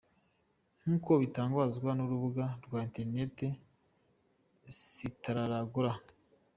Nk’uko bitangazwa n’urubuga rwa internet staragora.